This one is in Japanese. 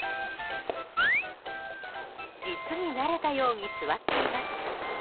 実に慣れたように座っています。